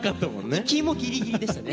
行きもギリギリでしたね。